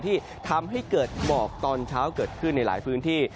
ที่ทำให้เกิดหมอกตอนเช้าเกิดขึ้นในหลายพื้นที่